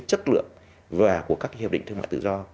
chất lượng và của các hiệp định thương mại tự do